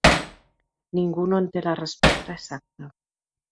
Ningú no en té la resposta exacta.